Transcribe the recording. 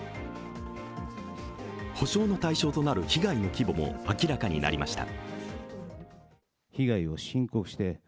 補償の対象となる被害の規模も明らかになりました。